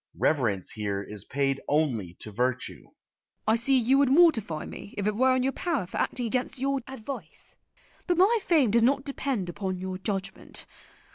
Reverence here is paid only to virtue. Christina. I see you would mortify me if it were in your power for acting against your advice. But my fame does not depend upon your judgment.